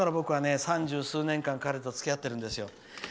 だから僕は、三十数年間彼とつきあってるんですよ。